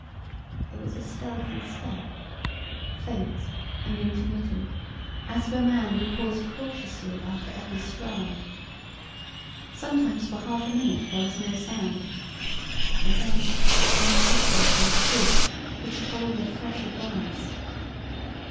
It was a stealthy step, faint and intermittent, as of a man who paused cautiously after every stride. Sometimes for half a minute there was no sound, and then came the shuffle and creak which told of a fresh advance.